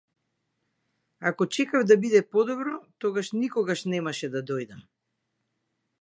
Ако чекав да биде подобро, тогаш никогаш немаше да дојдам.